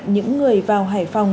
những người vào hải phòng